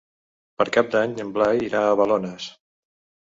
Per Cap d'Any en Blai irà a Balones.